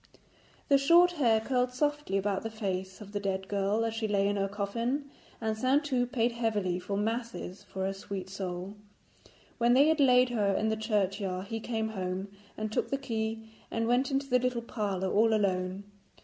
The short hair curled softly about the face of the dead girl as she lay in her coffin, and Saintou paid heavily for masses for her sweet soul. When they had laid her in the churchyard he came home, and took the key, and went into the little parlour all alone.